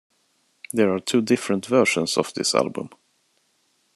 There are two different versions of this album.